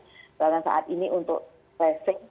sedangkan saat ini untuk tracing